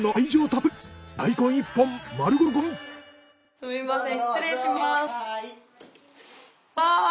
すみません